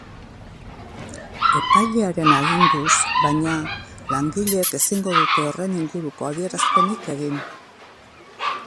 Epailearen aginduz, baina, langileek ezingo dute horren inguruko adierazpenik egin.